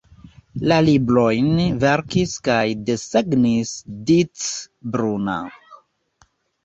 La librojn verkis kaj desegnis Dick Bruna.